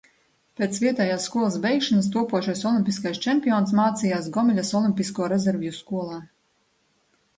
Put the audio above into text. Pēc vietējās skolas beigšanas topošais olimpiskais čempions mācījās Gomeļas olimpisko rezervju skolā.